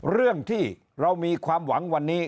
เรื่องที่เรามีความหวังวันนี้